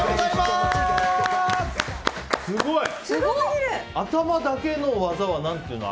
すごい！頭だけの技は何ていうの？